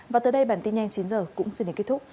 và tới đây bản tin nhanh chín h cũng xin đến kết thúc